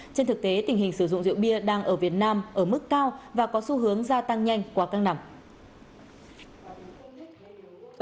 trên thực tế tình hình sử dụng rượu bia đang ở việt nam ở mức cao và có xu hướng gia tăng nhanh qua các năm